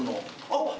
あっ！